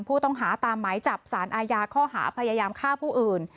ผู้ต้องหาตามหมายจับสารอาญาข้อหาพยายามฆ่าผู้อื่น